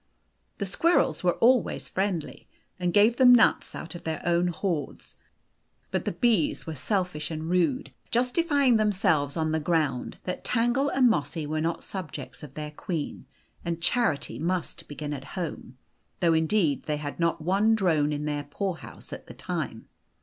The squirrels were always friendly, and gave them nuts out of their own hoards ; but the bees were selfish and rude, justifying themselves on the ground that Tangle and Mossy were not subjects .of their queen, and charity must begin at home, though indeed they had not one drone in their poorhouse at the time.